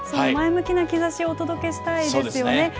前向きな兆しをお届けしたいですよね。